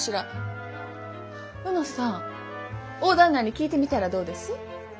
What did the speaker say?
卯之さん大旦那に聞いてみたらどうです？